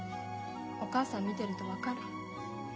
お母さん見てると分かる。